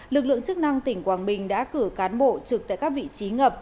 lực lượng chức năng tỉnh quảng bình đã cử cán bộ trực tại các vị trí ngập